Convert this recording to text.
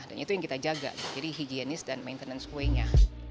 dan itu yang kita jaga jadi higienis dan maintenance kuenya